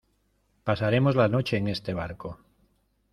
pasaremos la noche en este barco.